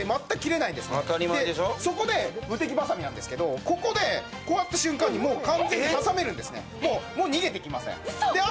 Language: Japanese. そこでムテキバサミなんですけど、ここで、こうやった瞬間に完全に挟めるんですね、逃げていかないんですね。